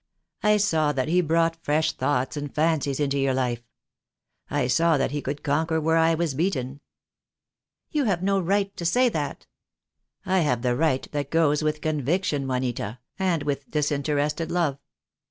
I saw that he brought fresh thoughts and fancies into your life. I saw that he could conquer where I was beaten." "You have no right to say that." "I have the right that goes with conviction, Juanita, and with disinterested love.